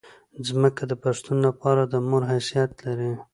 ځمکه د پښتون لپاره د مور حیثیت لري.